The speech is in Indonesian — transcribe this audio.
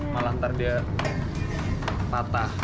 malah nanti dia patah